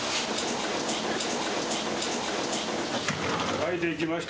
はい、できました！